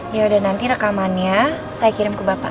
ya udah nanti rekamannya saya kirim ke bapak